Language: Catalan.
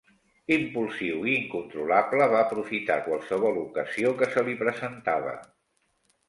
Impulsiu i incontrolable, va aprofitar qualsevol ocasió que se li presentava.